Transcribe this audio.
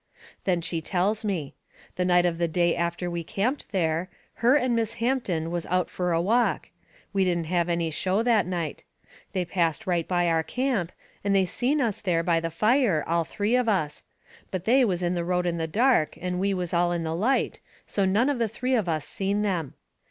Then she tells me. The night of the day after we camped there, her and Miss Hampton was out fur a walk. We didn't have any show that night. They passed right by our camp, and they seen us there by the fire, all three of us. But they was in the road in the dark, and we was all in the light, so none of the three of us seen them.